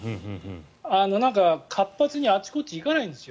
なんか、活発にあちこち行かないんですよ。